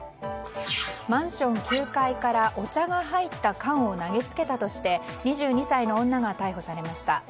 マンション９階からお茶が入った缶を投げつけたとして２２歳の女が逮捕されました。